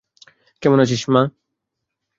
কেমন আছিস মা?